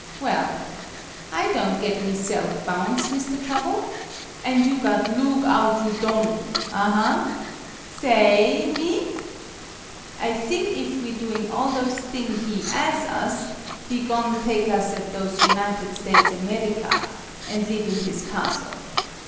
Well! I don' git myself bounce, Mr. Trouble! An' you got loog out you don', aha ! Sa oy, me ? I thing if we doing all those thing he as' us, he go'n' take us at those United States America, an' live in his castle.